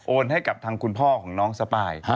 ให้กับทางคุณพ่อของน้องสปาย